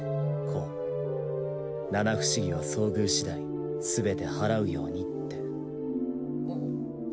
光七不思議は遭遇次第全て祓うようにってうっ